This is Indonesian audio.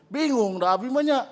bingung udah abis banyak